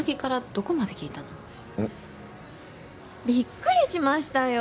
びっくりしましたよ